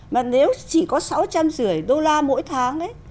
mà nếu chỉ có sáu trăm năm mươi đô la mỗi tháng ấy